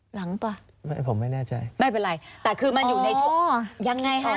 ป่ะไม่ผมไม่แน่ใจไม่เป็นไรแต่คือมันอยู่ในช่วงยังไงคะ